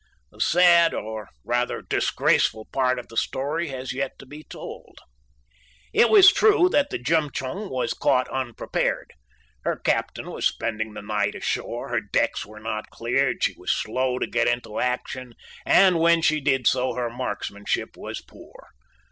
The sad, or, rather, disgraceful, part of the story has yet to be told. It was true that the Jemtchug was caught unprepared. Her Captain was spending the night ashore, her decks were not cleared, she was slow to get into action, and when she did so her marksmanship was poor.